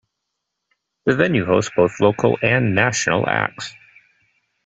The venue hosts both local and national acts.